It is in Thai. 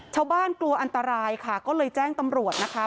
กลัวอันตรายค่ะก็เลยแจ้งตำรวจนะคะ